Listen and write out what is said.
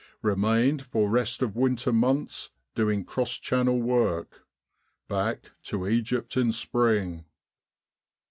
Remained for rest of winter months doing cross Channel work. Back to Egypt in spring."